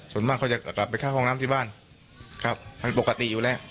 ส่วนมากเขาจะกลับไปเข้าห้องน้ำที่บ้านครับมันปกติอยู่แล้ว